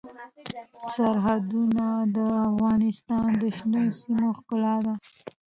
سرحدونه د افغانستان د شنو سیمو ښکلا ده.